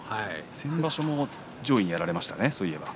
先場所も上位にやられましたね。